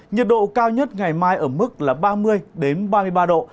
nhiệt độ cao nhất ngày mai ở mức là ba mươi ba mươi ba độ